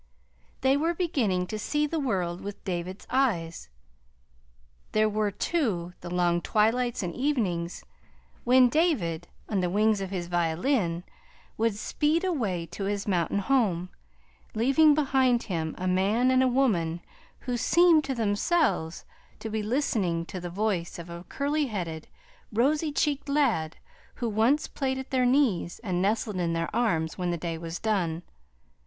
They were beginning to see the world with David's eyes. There were, too, the long twilights and evenings when David, on the wings of his violin, would speed away to his mountain home, leaving behind him a man and a woman who seemed to themselves to be listening to the voice of a curly headed, rosy cheeked lad who once played at their knees and nestled in their arms when the day was done.